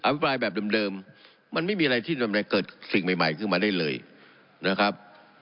พิปรายแบบเดิมมันไม่มีอะไรที่จะเกิดสิ่งใหม่ขึ้นมาได้เลยนะครับ